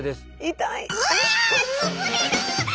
痛い。